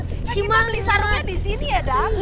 kita beli sarungnya di sini ya daryl